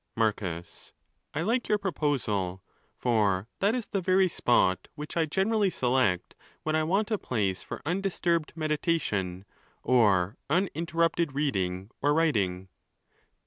Marcus —1 like your proposal; for that is the very spot which I generally select when I want a place for undisturbed meditation, or uninterrupted reading or writing.